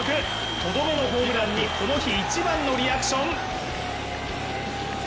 とどめのホームランにこの日一番のリアクション。